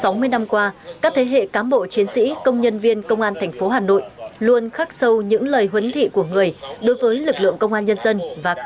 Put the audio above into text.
trong sáu mươi năm qua các thế hệ cán bộ chiến sĩ công nhân viên công an thành phố hà nội luôn khắc sâu những lời huấn thị của người đối với lực lượng công an nhân dân và các